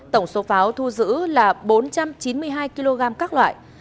tổng số pháo thu giữ là bốn trăm chín mươi hai kg các loại